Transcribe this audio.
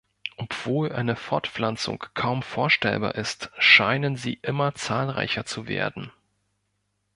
Obwohl eine Fortpflanzung kaum vorstellbar ist, scheinen sie immer zahlreicher zu werden.